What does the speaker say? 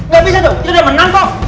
gak bisa dong kita udah menang kok